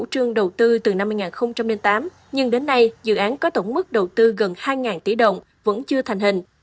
từ năm hai nghìn tám nhưng đến nay dự án có tổng mức đầu tư gần hai tỷ đồng vẫn chưa thành hình